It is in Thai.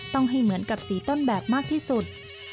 ต้องให้เหมือนกับสีต้นแบบมากที่สุด